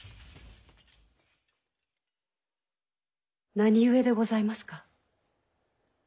何故でございますか？